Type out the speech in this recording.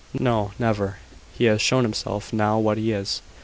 "No, never. He has shown himself now what he is."